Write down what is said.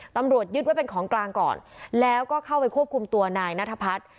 ตำรวจยึดไว้เป็นของกลางก่อนแล้วก็เข้าไปควบคุมตัวนายนัทพัฒน์